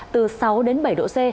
từ sáu đến bảy độ c